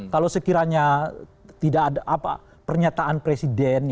kalau sekiranya tidak ada pernyataan presiden